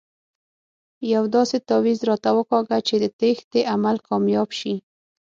یو داسې تاویز راته وکاږه چې د تېښتې عمل کامیاب شي.